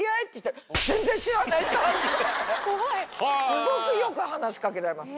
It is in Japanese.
すごくよく話しかけられます。